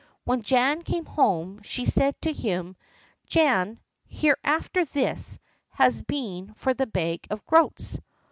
When Jan came home she said to him: "Jan, Hereafterthis has been for the bag of groats."